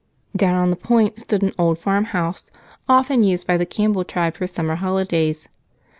Down on the Point stood an old farmhouse, often used by the Campbell tribe for summer holidays.